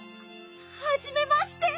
はじめまして！